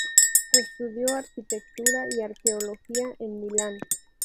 Estudió arquitectura y arqueología en Milán.